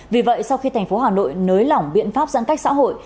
vì vậy sau khi thành phố hà nội nới lỏng biện pháp giãn cách xã hội